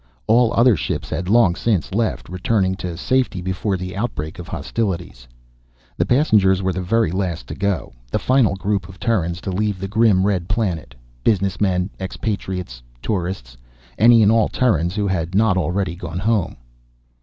All other ships had long since left, returning to safety before the outbreak of hostilities. The passengers were the very last to go, the final group of Terrans to leave the grim red planet, business men, expatriates, tourists, any and all Terrans who had not already gone home.